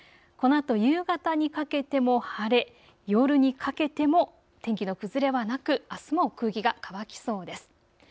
このあと夕方にかけても晴れ、夜にかけても天気の崩れはなくあすも空気が乾きそうです。